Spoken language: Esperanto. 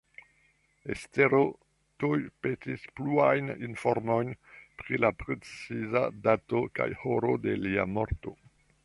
Estero tuj petis pluajn informojn pri la preciza dato kaj horo de lia morto.